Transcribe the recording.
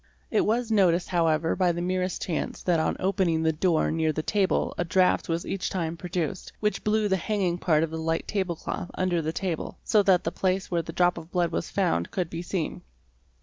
It was noticed however by the merest chance that on opening the door near the table a draught was each time produced, which blew the hanging part of the light table cloth under the table, so that the place where the drop of blood was found could be seen.